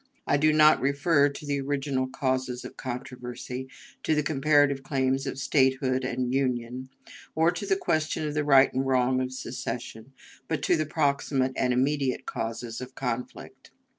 I do not now refer to the original causes of controversy to the comparative claims of Statehood and Union, or to the question of the right or the wrong of secession but to the proximate and immediate causes of conflict.